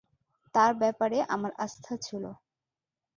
তার ব্যাপারে আমার আস্থা ছিল।